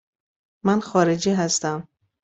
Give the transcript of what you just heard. من خارجی هستم.